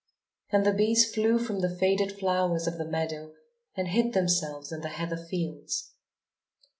And the bees flew from the faded flowers of the meadow and hid themselves in the heather fields.